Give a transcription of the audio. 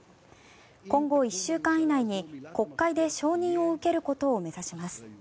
今後１週間以内に国会で承認を受けることを目指します。